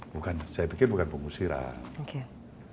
bukan saya pikir bukan pengusiran